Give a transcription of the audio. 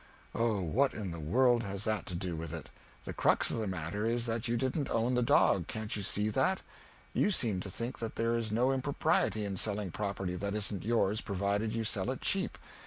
"Oh, what in the world has that to do with it! The crux of the matter is that you didn't own the dog can't you see that? You seem to think that there is no impropriety in selling property that isn't yours provided you sell it cheap.